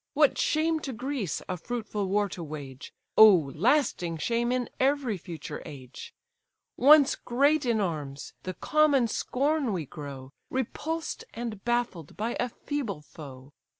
What shame to Greece a fruitful war to wage, Oh, lasting shame in every future age! Once great in arms, the common scorn we grow, Repulsed and baffled by a feeble foe.